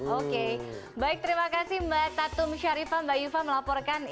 oke baik terima kasih mbak tatum syarifah mbak iva melaporkan ini ya